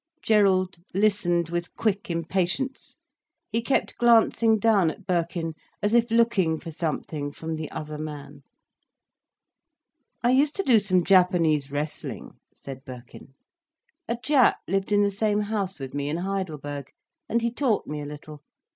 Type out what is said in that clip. Gerald listened with quick impatience. He kept glancing down at Birkin, as if looking for something from the other man. "I used to do some Japanese wrestling," said Birkin. "A Jap lived in the same house with me in Heidelberg, and he taught me a little.